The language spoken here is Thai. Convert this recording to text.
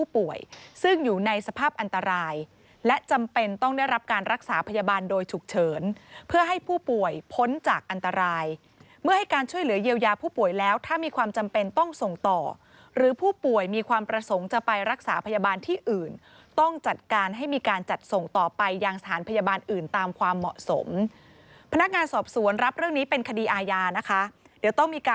ป่วยซึ่งอยู่ในสภาพอันตรายและจำเป็นต้องได้รับการรักษาพยาบาลโดยฉุกเฉินเพื่อให้ผู้ป่วยพ้นจากอันตรายเมื่อให้การช่วยเหลือเยียวยาผู้ป่วยแล้วถ้ามีความจำเป็นต้องส่งต่อหรือผู้ป่วยมีความประสงค์จะไปรักษาพยาบาลที่อื่นต้องจัดการให้มีการจัดส่งต่อไปยังสถานพยาบาลอื่นตามความเหมาะสมพนักงานสอบสวนรับเรื่องนี้เป็นคดีอาญานะคะเดี๋ยวต้องมีก